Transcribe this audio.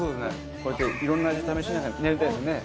こうやっていろんな味試しながらやりたいですね。